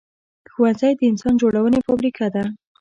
ښوونځی د انسان جوړونې فابریکه ده